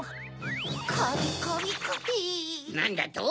なんだと？